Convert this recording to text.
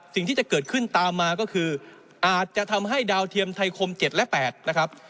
สิ่งที่จะเกิดขึ้นตามมาก็คืออาจจะทำให้ดาวเทียมไทยคม๗และ๘นะครับ